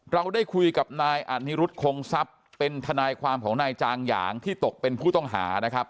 เราได้คุยกับนายอันนิรุธคงทรัพย์เป็นทนายความของนายจางหยางที่ตกเป็นผู้ต้องหานะครับ